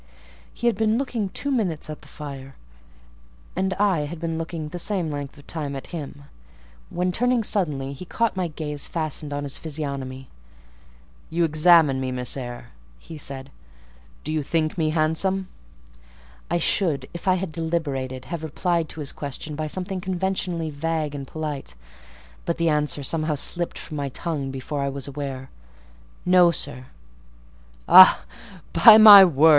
He had been looking two minutes at the fire, and I had been looking the same length of time at him, when, turning suddenly, he caught my gaze fastened on his physiognomy. "You examine me, Miss Eyre," said he: "do you think me handsome?" I should, if I had deliberated, have replied to this question by something conventionally vague and polite; but the answer somehow slipped from my tongue before I was aware—"No, sir." "Ah! By my word!